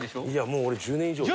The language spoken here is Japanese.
もう俺１０年以上。